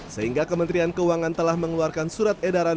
sehingga kementerian keuangan telah mengeluarkan surat edaran